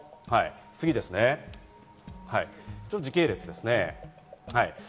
時系列です。